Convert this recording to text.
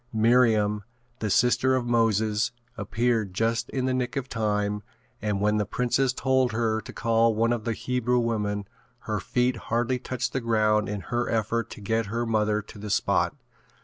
Miriam, the sister of Moses appeared just in the nick of time and when the princess told her to call one of the Hebrew women her feet hardly touched the ground in her effort to get her mother to the spot.